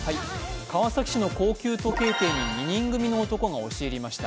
川崎市の高級時計店に２人組の男が押し入りました。